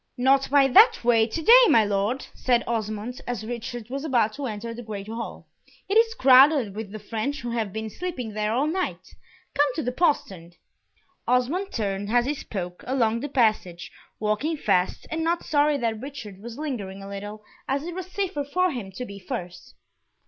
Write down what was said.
"Not by that way, to day, my Lord," said Osmond, as Richard was about to enter the great hall. "It is crowded with the French who have been sleeping there all night; come to the postern." Osmond turned, as he spoke, along the passage, walking fast, and not sorry that Richard was lingering a little, as it was safer for him to be first.